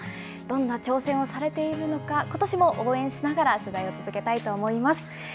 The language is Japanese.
どんな挑戦をされているのか、ことしも応援しながら取材を続けたいと思います。